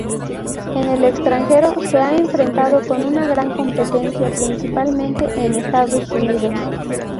En el extranjero, se ha enfrentado con una gran competencia, principalmente en Estados Unidos.